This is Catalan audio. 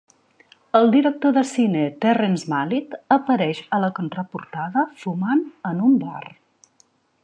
El director de cine Terrence Malick apareix a la contraportada fumant en un bar.